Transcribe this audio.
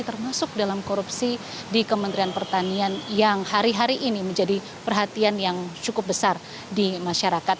termasuk dalam korupsi di kementerian pertanian yang hari hari ini menjadi perhatian yang cukup besar di masyarakat